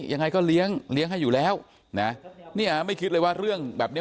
ยังไงก็เลี้ยงเลี้ยงให้อยู่แล้วนะเนี่ยไม่คิดเลยว่าเรื่องแบบเนี้ย